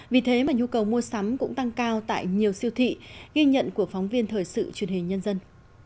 vì thế mà nhu cầu mua sắm cũng tăng cao tại nhiều siêu thị ghi nhận của phóng viên thời sự truyền hình nhân dân